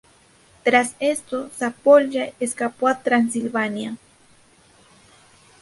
Tras esto, Zápolya escapó a Transilvania.